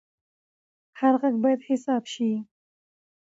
هر غږ باید حساب شي